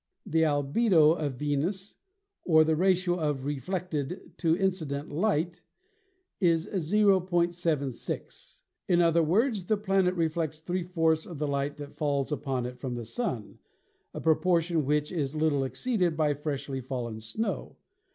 The albedo of Venus, or the ratio of re 142 ASTRONOMY fleeted to incident light, is 0.76. In other words, the planet reflects three fourths of the light that falls upon it from the Sun, a proportion which is little exceeded by freshly fallen snow.